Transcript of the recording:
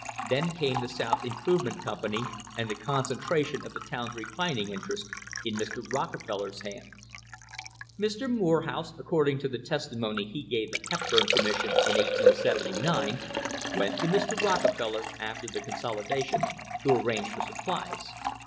Then came the South Improvement Company and the concentration of the town's refining interest in Mr. Rocke feller's hands. Mr. Morehouse, according to the testimony he gave the Hepburn Commission in 1879, went to Mr. Rocke eller, after the consolidation, to arrange for supplies.